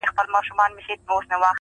یوه ورځ دهقان له کوره را وتلی!